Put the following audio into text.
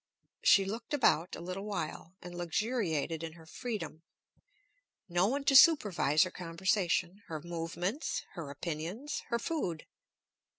She looked about a little while and luxuriated in her freedom, no one to supervise her conversation, her movements, her opinions, her food.